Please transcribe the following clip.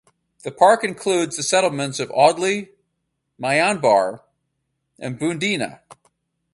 The park includes the settlements of Audley, Maianbar and Bundeena.